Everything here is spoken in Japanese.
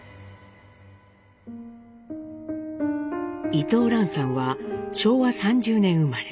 伊藤蘭さんは昭和３０年生まれ。